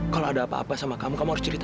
kalau ada apa apa sama kamu kamu harus cerita